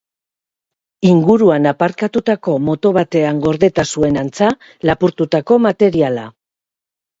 Inguruan aparkatutako moto batean gordeta zuen, antza, lapurtutako materiala.